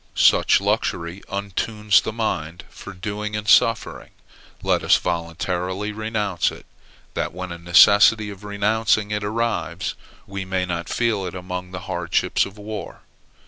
Such luxury untunes the mind for doing and suffering. Let us voluntarily renounce it; that when a necessity of renouncing it arrives, we may not feel it among the hardships of war.